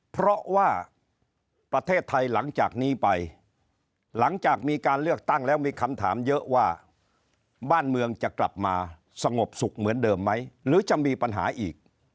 เพราะว่าประเทศไทยหลังจากนี้ไป